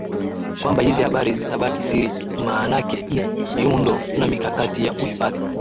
kwamba hizi habari zitabaki siri maanake ni miundo na mikakati ya uhifadhi